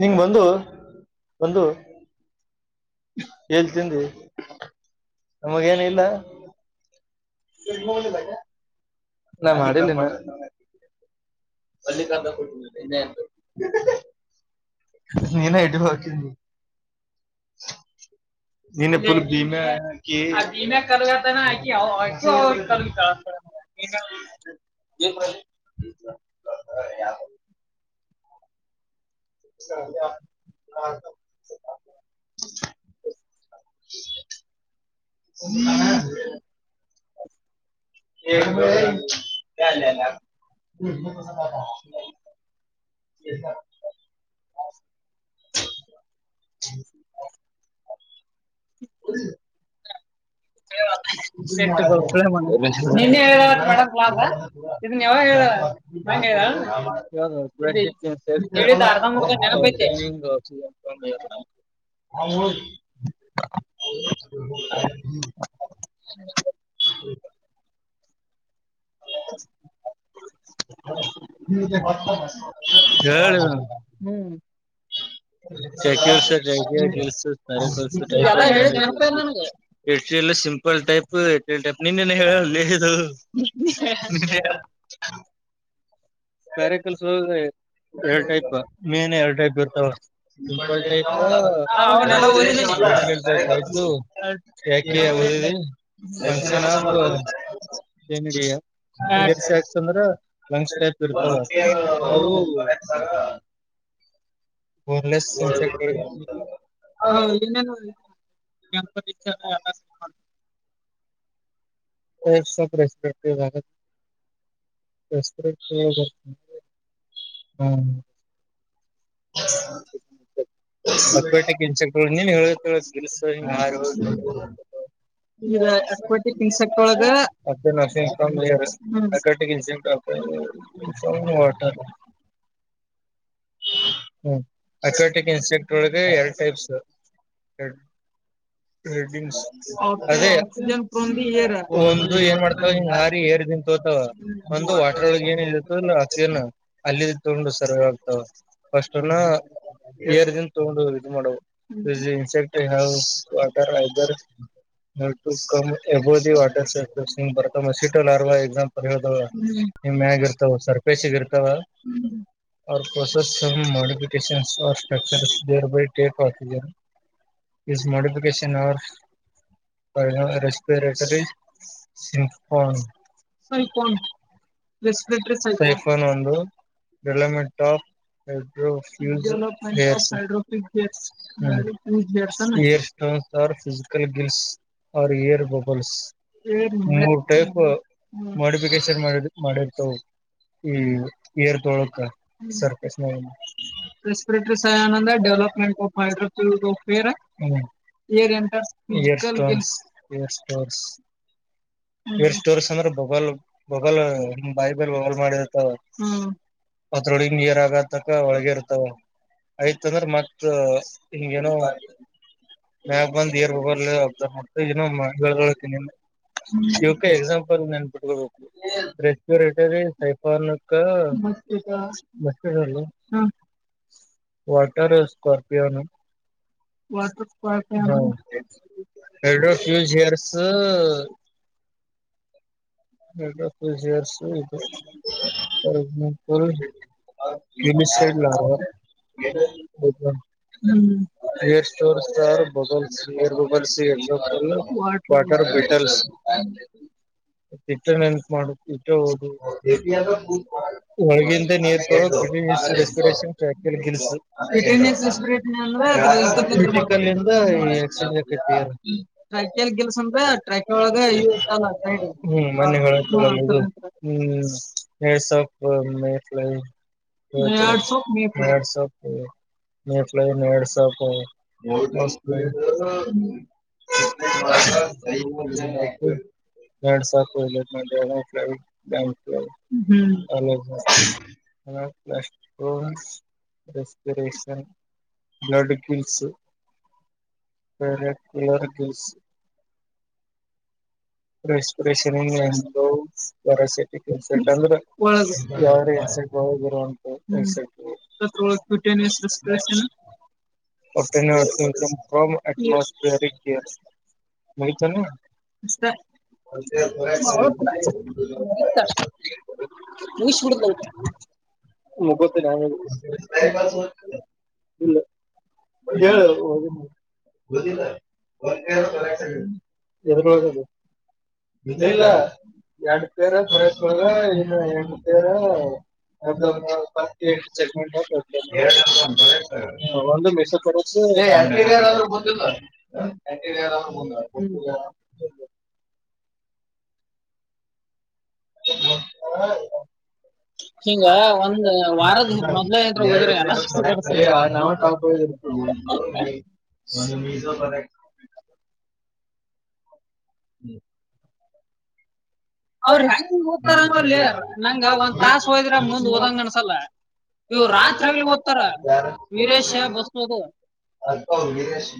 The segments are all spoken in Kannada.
ನಿಂಗ ಬಂದು ಬಂದು ಹೇಳ್ತನ್ ನಮಗೇಏನ ಇಲ್ಲ [unintelligible] ಅಳ್ಳಿಕಂತ ಕೊಟ್ಟನ್ನ ನೀನ ಎಟ ಬಕಿಂದು ಹ ನೆನ್ಪುಲ್ ಭೀಮ ಹಾಕಿ [unintelligible] [inaudible] ಹ ಹ ಹ ಹ ಸ [inaudible] ಹ [inaudible] ಹ ಹೇಳತ್ ಮೇಡಮ್ ಕ್ಲಾಸಾ ಇದನ್ ಯಾವಾಗ ಹೇಳಿದ ದಾರದ ಒ [unintelligible] ಹ ಹ್ಮ [inaudible] ಹೇಳ್ಮ [unintelligible] ಜನ ಹೇಳಿದ್ ನೆನಪಿಲ್ಲ ನಿನಗೆ ಸಿಂಪಲ್ ಟೈಪ್ ಟಪ್ನನ್ನ ಹೇಳದು ಹೇಳ ಪ್ಯಾರಕಲ್ಸ್ ಎರಡ್ ಟೈಪ್ ಮೀನ್ ಎರ ಟೈಪ್ ಇರ್ತಾವ ಸಿಂಪಲ್ ಟೈಪ್ ಅವಲ್ಲ ಓದ ಟೈಪ್ ಆಯ್ತುಕೆ ಫಂಕ್ಷನ್ ಆ ಸರ್ಸಿ ಹಾಕ್ಸ್ ಅಂದ್ರ ಲಂಗ್ಸ್ ಟೈಪ್ ಇರ್ತಾವ ಅವು ಮ ಹಾ ಇನ್ನೇನು ಪರಿೀಕ್ಷಲ್ಲ ಟೈಪ್ಸ್ ಆಫ್ ಹ್ಮ್ ಹಕ್ಪೇಟಕ್ ಇನ್ೆಕ್ ನೀನ್ ಹೇಳಲ್ಸ ಯಾರುೋಗ ಅಕ್ವಟಿಕ್ ಇನ್ಸೆಕ್ಟ್ ಒಳಗೆ ಟ ಹ್ಮ್ ಅಕ್ವಟಿಕ್ ಇನ್ಸ್ಟೆಕ್ಟ್ ಒಳಗೆ ಎರಡು ಟೈಪ್ಸ್ ಒ ಏನ್ ಮಾಡ್ತ ಹಾರಿ ಏರ್ ತ ಒಂದು ವಾಟರ್ ಒಳಗ್ ಏನ ಇತ ಇ ಆಕ್ಸಿಜನ್ ಅಲ್ಲಿ ತಗೊಂಡು ಸರಿ ಆಗ್ತಾವ ಫಸ್ಟ್ನ ಏರ್ ದನ್ ತಗೊಂಡು ಮಾಡ ಇನ್ಸೆಕ್ಟ್ ವಟರ್ ಐಬರ್ ಕಮ ಯಬೋದಿ ವಾಟರ್ ಸಸ ಬರ್ ಮಸ್ಕಿಟೋಲಾರ್ವಾ ಎಕ್ಸಾಂಪಲ್ ಹೇಳ ನಿಮ್ಮ್್ಯಾಗ ಇರ್ತಾವ ಸರ್ಪೇಸಿಗ ಇರ್ತಾವ ಪ್ರೋಸೆಸ್ ಸಮ್ ಮೋಡಿಫಿಕೇಶನ್ಸ್ ಫ್ರಚರ್ಸ್ಡೇರ್ ಡೇ ಬೈ ಡೇ ಮೋಡಿಫಿಕೇಶನ್ ಅವ ರೆಸ್ಪಿೇಟರಿ ಸಿಂಫೋನ್ ಐೋ ಐಫೋನ್ ಒಂದು ಮಿ ಟಾಪ್ ಎಬ್ರು ಫ್ಯೂ ಹ ಏರ್ ಬಬಲ್ಸ್ ಮೂರ್ ಟೈಪ್ ಮಾಡಿಫಿಕೇಶನ್ ಮಾಡಿ ಮಾಡಿರ್ತವು ಹ್ಮ್ ಏರ್ ತೊಳಕ್ಕ ಸರ್ಪ ರೆನ್ಸ್ಪಿರೇಟರಿ ಡೆವಲಪ್ಮೆಂಟ್ ಎಏ ಸ್ಟ ವರ್ ಸ್ಟೋರ್ಸ್ ಅಂದ್ರ ಬೊಬಲ್ ಬೊಬಲ್ ಬಾಯಿಬಲ್ ಬೊಬಲ್ ಮಾಡಿರತ ಹ್ಮ್ ಅದೊಳಿ ನೀರ ತಕ್ಕ ಒಳಗ ಇರ್ತಾವ ಆಯ್ತ ಅಂದ್ರೆ ಮತ್ ಹಿಂಗೇನೋ ಮ ಬಂದರ್ ಬಬಬ್ ಮಾಡ್ತತ ಇವಕ್ಕ ಎಕ್ಸಾಂಪಲ್ ನೆನ್ ನೆನ್ಪ್ಇಟ್ಟ್ಕೊಂಬೇಕು ರೆಸ್ಕ್ಯುರೇಟರಿ ಸೈಫನ್ಕ್ಕ ಮತ್ತೆ ಲ ವಾಟರ್ ಸ್ಕೋರ್ಪಿಯೋನು ಹೆಡ್ರಫ್ಯೂಜ ಹಿಯರ್ಸ್ ಎಲ್ಲು ಯಾರ ನಿಮಿ ಇಲ್ಲಾರ ನೀರ್ ಸ್ಟೋರ್ ಸಾರ್ ಬಬಲ್ಸ ನೀರ್ ಬಬಲ್ಸಿ ವಾಟರ್ ಬಿಟಲ್ಸ್ ಹ ಹೊಳಗಿಿಂದ ನೀರ್ ರೆನ್ಸ್ಪಿರೇಷನ್ ಅಲ್ವಾ ಡೆಂಟ್ ಟ್ರಕ್ ಎಲ್ಲಿ ಲ್ಸ ಅಂದ್ರೆ ಟ್ರಕ್ ಇವಲ ಹ್ಮ ಮ ಹ್ಮ್ ಎ ಸಬ ವಾಟ್ ವಾಟ್ಸಪ್ ಹ ಎಡ್ ಸಲ್ಲ ಮದ್ಲ ಅ ಪ್ಲಸ್ ಹೋ [unintelligible] respiration blood kills [unintelligible] ಷ peracetic acid ಅಂದ್ರೆ ಯಾವಾರ ಆಸಿಡ್ ಒಗಿ [unintelligible] ರೆಸ್ಪಿರೇಶನ್ ಓಕೆ [unintelligible] [unintelligible] ಆಯ್ತೇನು [unintelligible] ಗೀಸ್ಬಿಡು ಮುಗತ್ತ ಇಲ್ಲ ಹೇಳ ಹೋಗಮ ಗೊತ್ತಿಲ್ಲ [unintelligible] ಪೆರಾಕ್ಸೈಡ್ ಇ ಇಲ್ಲ ಎರಡ್ ಪೇರ ಬರಾಕ್ ಇನ್ನ ಎಂಟ ಪೇರ [unintelligible] ಒಂದು ಮೈಸೂರು ಪ್ಯಾಲೇಸ್ [unintelligible] ಆದ್ರೂ ಮುಂದ [inaudible] ಹ್ಮ ಹಾ [unintelligible] ಎರಡ ಪೈರ್ ಸೆಲೆಕ್ಟ್ [unintelligible] ಹ ಒಂದು ಮೀಶೋ ಪ್ರಾಡಕ್ಟ್ ಹ್ಮ [unintelligible] ನೀವು ರಾಜಧದಲ್ಲಿ ಹೋಗ್ತಾರ ಬೀರೇಶ್ [unintelligible] ವೀರೇಶ್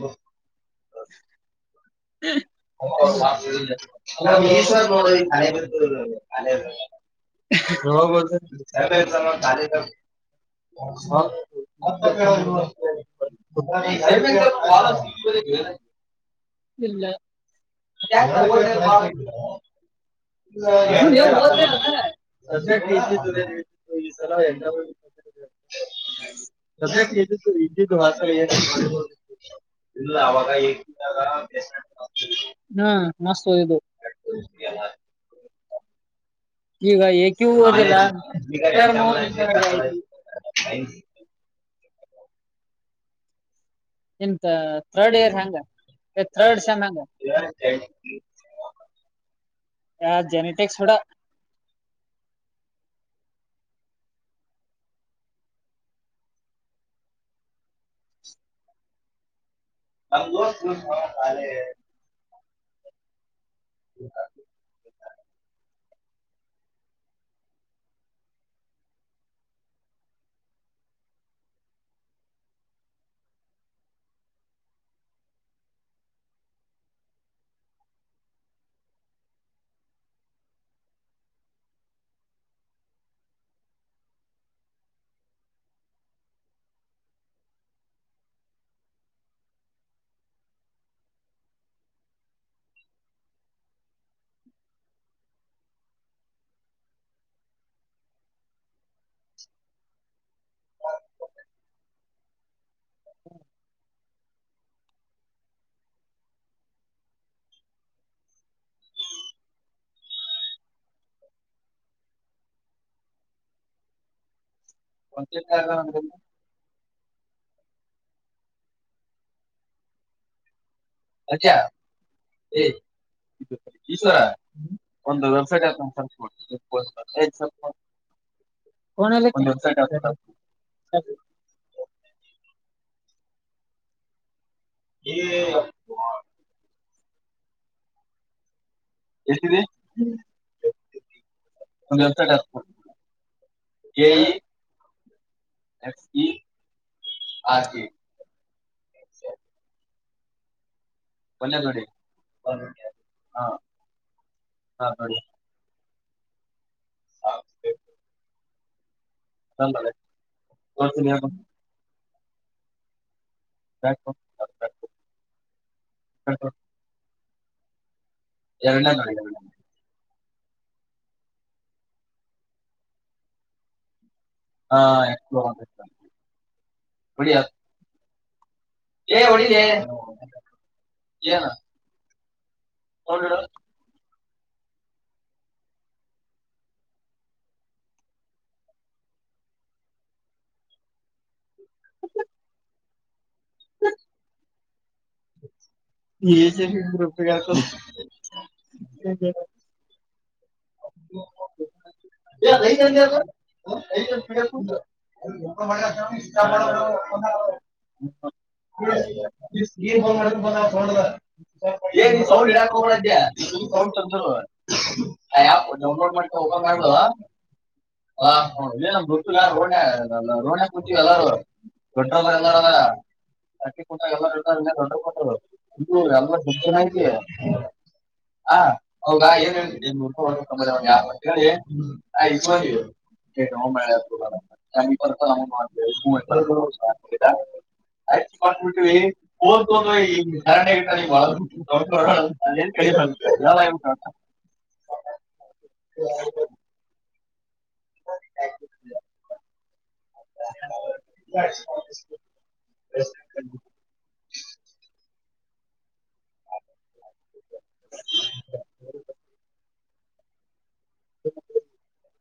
[unintelligible] ಹೌದು ಎರಡೆರಡು ಸಲ [unintelligible] ಅ [unintelligible] ಅಲ್ಲಿತಂಕ [unintelligible] ಇಲ್ಲ ಯಾಕ ಕೊಡಿಲ್ಲ ವಾರಂಟಿ ಇಲ್ಲಾ ಅಲ್ಲೆ ಕೂಡ [unintelligible] ಇಲ್ಲ ಅವಾಗ [unintelligible] ಪೇಷಂಟ್ ಬ್ಲಡ್ [unintelligible] ಈಗ ಏ ಓದ್ಯಲ್ಲ [unintelligible] [inaudible] ಇಂತ ಥರ್ಡ್ ಇಯರ್ ಎಂಗ ಥರ್ಡ್ ಸೇಮ್ ಎಂಗ ಯ ಜೆನೆಟಿಕ್ಸ್ ಬಿಡು [unintelligible] ಹ್ಮ [unintelligible] ಹಾ [inaudible] [unintelligible] ಅಚ್ಚಾ ಏ ಇದು ಈಶ ಒಂದು ವೆಬ್ಸೈಟ್ ಹ್ಯಾಕ್ ಗೊತಗೈತೇ ಸ್ವಲ್ಪ ಫೋನ್ ಅಲ್ಲೆ ಈ ಎಷ್ಟರಿ [unintelligible] ಏ ಈ ಏಕ್ಸ್ ಪಿ ಆರ್ ಪಿ [inaudible] ಒಲ್ಲ ತೊಡಿ ಹೌ ಹಾ ಹಾ ಹ ಅಲ್ಲೆ ಕೊಚ [inaudible] ಹಾ ಹ ಹ ಎ್ಣ ನದೆ [inaudible] ಹಾ ಎಕ್ಸ್ರ್ ಬಡಿಯ ಏ ಹೊಡಿಳೆ ಏನ ಹೋಗಬಿಡು [inaudible] ಜ ಗ್ರಪಗ [inaudible] ಯ ಕ [inaudible] ಸ [inaudible] ಏನ್ ಬಂದ್ ಮಾಡ್ಕೊಬೋದ ಪ ಸೌ ಲೀಡಾಕ ಸಮ ತ ನೋ ಗಬ [inaudible] ನೋ ನಮ್ ಗತ್ತು ನ ರೋಣ ರೋಣೆ ಕೂತ ಎಲ್ಲಾರೂ ದೊಡ್ಡ್ರದಾಗ ಎಲ್ಲಾರಲ್ಲ ಅಟ್ಟಿ ಕೊಟ್ಟಾಗ ಎಲ್ಲಲ್ಲ ದೊಡ್ಡ ಕೊಟ್ಟ ಎ [inaudible] ಹ ಹೌದಾ ಏನ್ಳ್ ಹ್ಮ್ ಆಯ್ತುವ ಹ ನ ಮ ಪಪ ನ ಮಾಡ [inaudible] ಅ ಕಸ್ ಬಿಟ್ಟಿವವಿ ಹೋದೋ ಶರರಣೆ ಇಟ್ಟ ಬಿ ಹೌ ಹೊರನ್ ಕುತ್ತ [inaudible] [inaudible] [inaudible] ಹ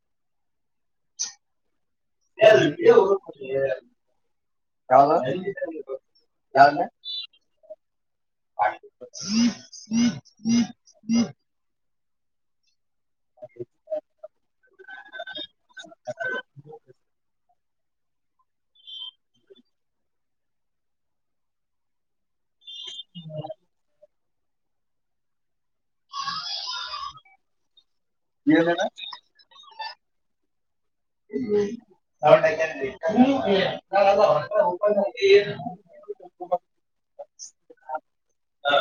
[inaudible] ಹೌ ಯ ಹ್ಮ ಹ್ಮ ಹ್ಮ ಹ್ಮ [inaudible] ಹ್ಮ ಏನನ ಹ್ಮ್ ಹ [inaudible] [unintelligible] ಹಾ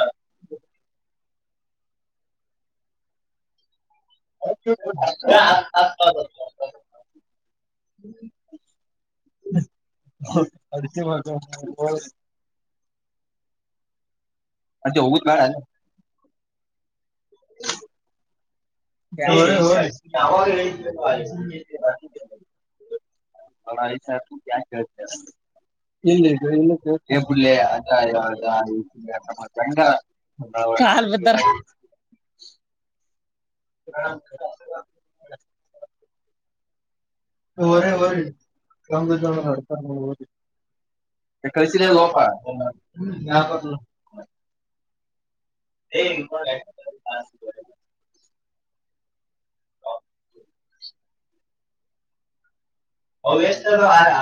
[inaudible] ಅ ಮಾಡ ಅಂತ ಹೋಗುದ ನಲ್ಲ ಹ್ಮ [inaudible] ಬಳ ವಿಷಾರು ಯ ಹೇಳ್ತ ಇಲ್ಲ ಇಲ್ಲತ್ತು ದೇಬುಳ್ಳೆ ಅಟ ಯ ಅಲ್ಲಿ ಇದರ ಗ [inaudible] ಹೊರ ಹ ರ ಕ ಇದ ಹತ [inaudible] ಕಲಿಸಿರೂಪ [inaudible] ವ್ಯಸ್ತ ಆರ [unintelligible]